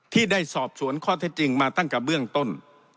ที่ได้สอบสวนข้อเท็จจริงมาตั้งแต่เบื้องต้น